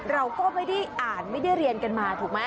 เราก็ไม่ได้อ่านไม่ได้เรียนกันมาถูกไหม